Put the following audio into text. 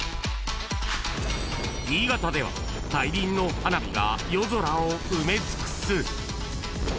［新潟では大輪の花火が夜空を埋め尽くす］